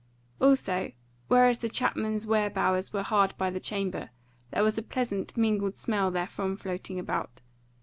Also, whereas the chapman's ware bowers were hard by the chamber, there was a pleasant mingled smell therefrom floating about.